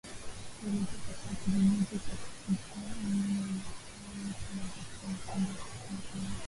Kuelekea katika kipindi hiki cha kufikia umri Wamaasai wote huelekea upande wa kaskazini